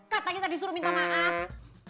kak tadi tadi disuruh minta maaf